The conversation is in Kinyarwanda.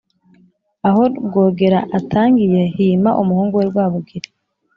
aho rwogera atangiye, hima umuhungu we rwabugili.